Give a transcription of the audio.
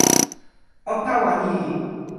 o tawa ni!